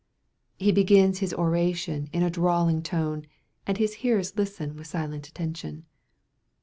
He begins his oration in a drawling tone, and his hearers listen with silent attention.